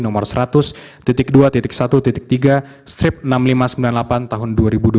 nomor seratus dua satu tiga strip enam ribu lima ratus sembilan puluh delapan tahun dua ribu dua puluh